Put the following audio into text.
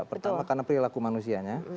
pertama karena perilaku manusianya